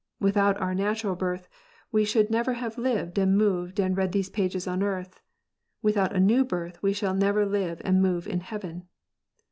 Without our "natural birth we should neverTiave lived and moved and read these pages on earth : without a new birth we shall never live and move in heaven.